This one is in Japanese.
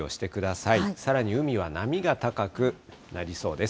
さらに海は波が高くなりそうです。